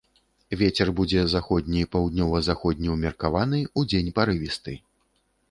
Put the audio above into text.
Вецер будзе заходні, паўднёва-заходні, умеркаваны, удзень парывісты.